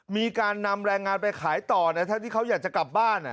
มีการนำแรงงานไปขายต่อทั้งที่เขาอยากจะกลับบ้าน